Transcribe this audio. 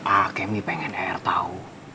akemi pengen er tau